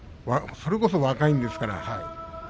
それこそ若いんですからね。